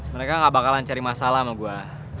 mereka gak bakalan cari masalah sama gua